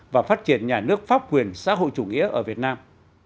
và phát triển nhà nước pháp quyền xã hội chủ nghĩa ở việt nam